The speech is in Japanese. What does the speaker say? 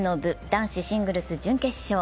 男子シングルス準決勝。